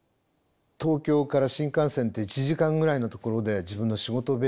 東京から新幹線で１時間ぐらいのところで自分の仕事部屋があります。